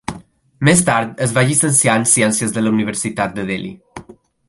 Més tard es va llicenciar en ciències a la Universitat de Delhi.